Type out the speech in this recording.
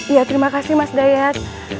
ya terima kasih mas dayat